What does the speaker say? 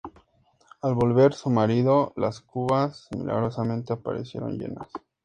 Al volver su marido las cubas, milagrosamente, aparecieron llenas.